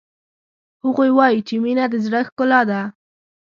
هغوی وایي چې مینه د زړه ښکلا ده